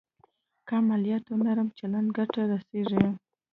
کم مالياتو نرم چلند ګټه رسېږي.